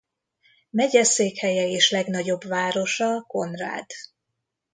Megyeszékhelye és legnagyobb városa Conrad.